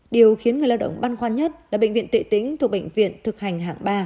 điều khiến người lao động băn khoăn nhất là bệnh viện tuệ tĩnh thuộc bệnh viện thực hành hạng ba